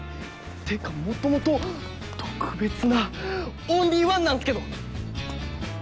てか元々特別なオンリーワンなんすけど！